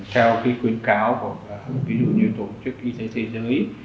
sau khi khuyến cáo của ví dụ như tổ chức y tế thế giới